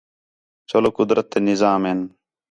چلو قُدرت تے نِظام ہِن